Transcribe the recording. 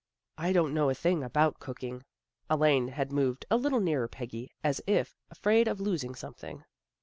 " I don't know a thing about cooking." Elaine had moved a little nearer Peggy, as if afraid of losing something.